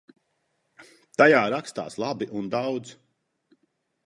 Tajā rakstās labi un daudz.